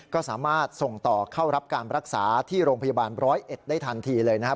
ก็สามารถส่งต่อเข้ารับการรักษาที่โรงพยาบาลร้อยเอ็ดได้ทันทีเลยนะครับ